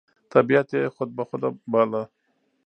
طبیعت یې خود بخوده باله،